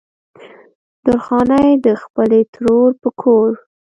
درخانۍ د خپلې ترور په کور